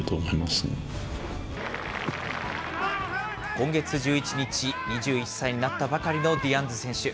今月１１日、２１歳になったばかりのディアンズ選手。